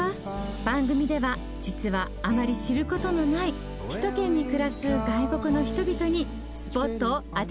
番組では実はあまり知ることのない首都圏に暮らす外国の人々にスポットを当てていきます。